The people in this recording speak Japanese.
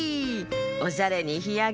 おしゃれにひやけ。